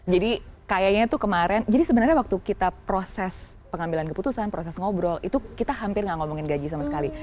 jadi kayaknya itu kemarin jadi sebenarnya waktu kita proses pengambilan keputusan proses ngobrol itu kita hampir gak ngomongin gaji sama sekali